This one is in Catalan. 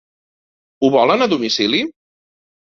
Ho volen a domicili?